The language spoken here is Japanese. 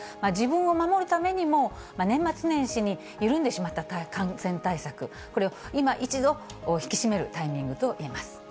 自分を守るためにも、年末年始に緩んでしまった感染対策、これをいま一度、引き締めるタイミングと言えます。